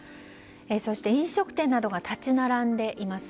そして、飲食店などが立ち並んでいます。